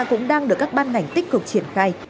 cũng đang được các ban ngành tích cực triển khai